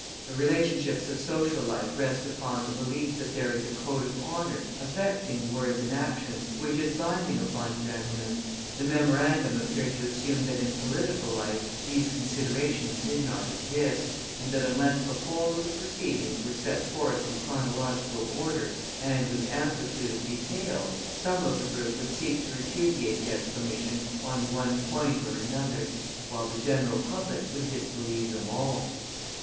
The relationships of social life rest upon the belief that there is a code of honour, affecting words and actions, which is binding upon gentlemen. The memorandum appeared to assume that in political life these considerations did not exist, and that unless the whole of the proceedings were set forth in chronological order, and with amplitude of detail, some of the group would seek to repudiate the explanation on one point or another, while the general public would disbelieve them all.